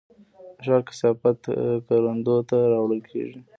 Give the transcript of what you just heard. د ښار کثافات کروندو ته راوړل کیږي؟